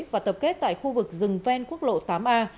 và tập kết tại khu vực rừng ven quốc lộ tám a